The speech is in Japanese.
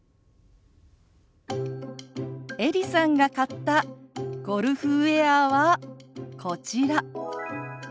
エリさんが買ったゴルフウエアはこちら。